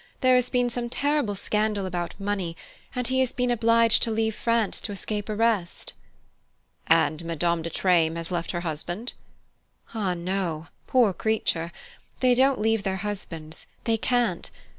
There has been some terrible scandal about money and he has been obliged to leave France to escape arrest." "And Madame de Treymes has left her husband?" "Ah, no, poor creature: they don't leave their husbands they can't.